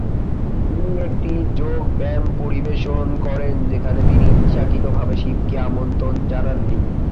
তিনি একটি যোগব্যায়াম পরিবেশন করেন, যেখানে তিনি ইচ্ছাকৃতভাবে শিবকে আমন্ত্রণ জানাননি।